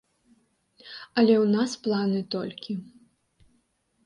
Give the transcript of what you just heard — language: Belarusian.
Але ў нас планы толькі.